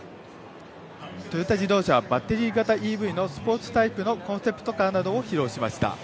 トヨタ自動車はバッテリー型ＥＶのスポーツタイプのコンセプトカーなどを披露しました。